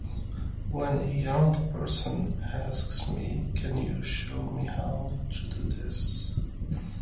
When a young person asks me: 'Can you show me how to do this?